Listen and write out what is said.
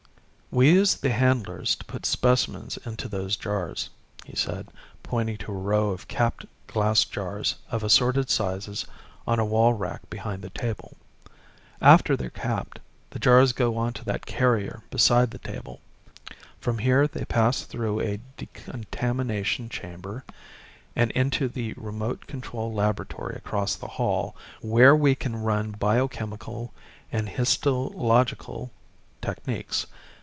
"We use the handlers to put specimens into those jars," he said, pointing to a row of capped glass jars of assorted sizes on a wall rack behind the table. "After they're capped, the jars go onto that carrier beside the table. From here they pass through a decontamination chamber and into the remote control laboratory across the hall where we can run biochemical and histological techniques.